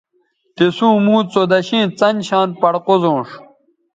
تِسوں موں څودشیئں څن شان پڑ قوزونݜ